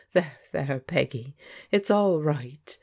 "There, there, Peggy, it's all right!